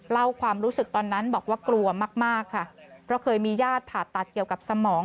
เล่าความรู้สึกตอนนั้นบอกว่ากลัวมากมากค่ะเพราะเคยมีญาติผ่าตัดเกี่ยวกับสมอง